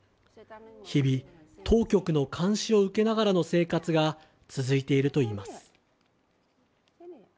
日々、当局の監視を受けながらの生活が続いているといいます。